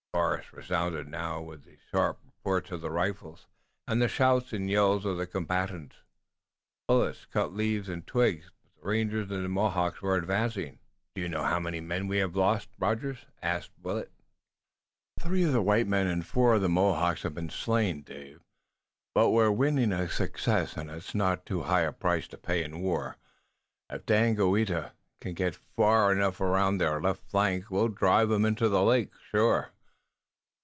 The forest resounded now with the sharp reports of the rifles and the shouts and yells of the combatants. Bullets cut leaves and twigs, but the rangers and the Mohawks were advancing. "Do you know how many men we have lost, Rogers?" asked Willet. "Three of the white men and four of the Mohawks have been slain, Dave, but we're winning a success, and it's not too high a price to pay in war. If Daganoweda can get far enough around on their left flank we'll drive 'em into the lake, sure.